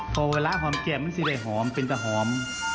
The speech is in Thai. พอเวลาหอมแก้มมันจะได้หอมเป็นแต่หอม